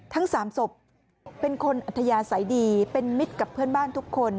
ทั้ง๓ศพเป็นคนอัธยาศัยดีเป็นมิตรกับเพื่อนบ้านทุกคน